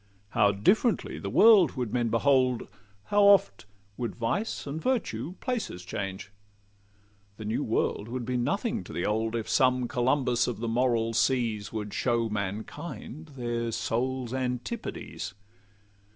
How differently the world would men behold! How oft would vice and virtue places change! The new world would be nothing to the old, If some Columbus of the moral seas Would show mankind their souls' antipodes.